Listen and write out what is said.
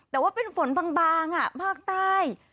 แต่ว่าเป็นฝนบางภาคใต้